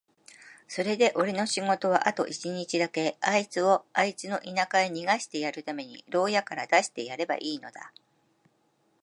それでおれの仕事はあと一日だけ、あいつをあいつの田舎へ逃してやるために牢屋から出してやればいいのだ。